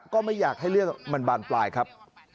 ก็ไม่อยากให้เรื่องมันบานปลายครับ